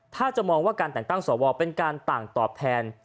ถ้าจะมองว่าการแต่งตั้งสวเป็นการต่างตอบแทน